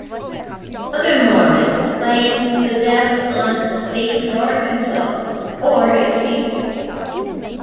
Other Mormons blamed the death on the state of Arkansas, or its people.